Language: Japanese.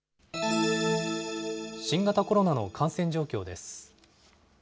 新型コロナの感染状況です。